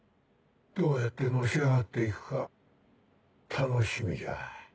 どうやってのし上がって行くか楽しみじゃ。